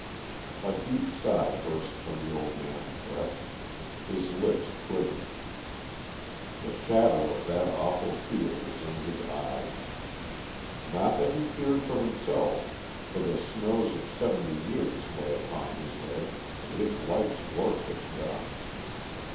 A deep sigh burst from the old man's breast; his lips quivered. The shadow of that awful fear was in his eyes. Not that he feared for himself, for the snows of seventy years lay upon his head, and his life's work was done.